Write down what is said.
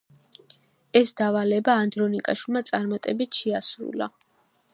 ეს დავალება ანდრონიკაშვილმა წარმატებით შეასრულა.